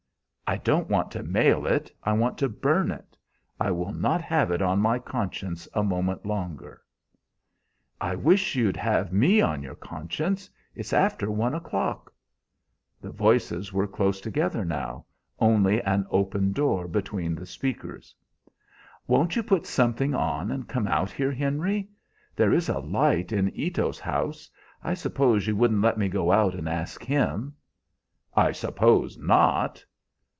"I don't want to mail it. I want to burn it. I will not have it on my conscience a moment longer" "I wish you'd have me on your conscience! It's after one o'clock." The voices were close together now, only an open door between the speakers. "Won't you put something on and come out here, Henry? There is a light in Ito's house. I suppose you wouldn't let me go out and ask him?" "I suppose not!"